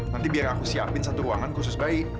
nanti biar aku siapin satu ruangan khusus bayi